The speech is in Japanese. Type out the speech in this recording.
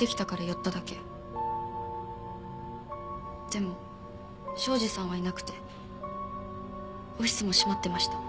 でも庄司さんはいなくてオフィスも閉まってました。